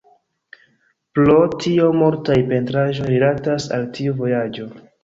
Pro tio multaj pentraĵoj rilatas al tiu vojaĝo.